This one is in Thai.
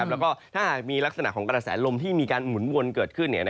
แล้วก็ถ้ามีลักษณะของกระแสลมที่มีการหมุนวนเกิดขึ้น